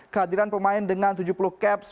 kehadiran pemain dengan tujuh puluh caps